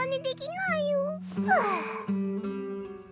はあ。